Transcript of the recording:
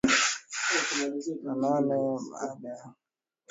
na nane baada ya Vita Kuu ya Kwanza ya Dunia walitaka kuonekana kama mabwana